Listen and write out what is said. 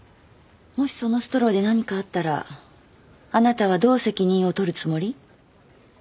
もしそのストローで何かあったらあなたはどう責任をとるつもり？